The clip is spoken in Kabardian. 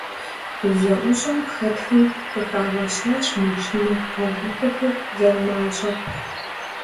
ЗэӀущӀэм хэтхэм къыхагъэщащ машинэ гъэувыпӀэхэр зэрымащӀэр.